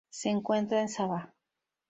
Se encuentra en Sabah.